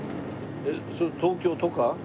それ東京とか？